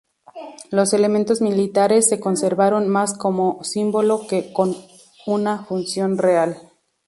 Los elementos militares se conservaron más como símbolo que con una función real.